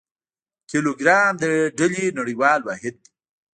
کیلوګرام د ډلي نړیوال واحد دی.